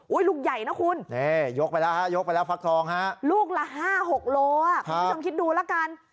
อุ๊ยลูกใหญ่นะคุณลูกละ๕๖โลคุณคิดดูละกัน